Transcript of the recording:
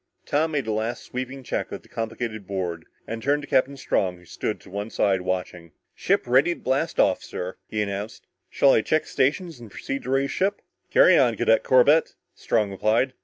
Tom made a last sweeping check of the complicated board and turned to Captain Strong who stood to one side watching. "Ship ready to blast off, sir," he announced. "Shall I check stations and proceed to raise ship?" "Carry on, Cadet Corbett," Strong replied.